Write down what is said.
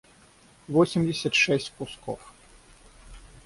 восемьдесят шесть кусков